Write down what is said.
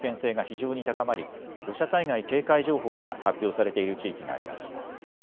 北海道では土砂災害の危険性が非常に高まり土砂災害警戒情報が発表されている地域があります。